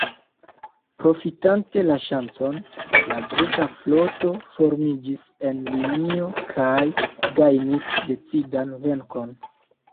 Profitante la ŝancon, la greka floto formiĝis en linio kaj gajnis decidan venkon.